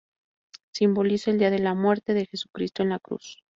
Simboliza el día de la muerte de Jesucristo en la Cruz.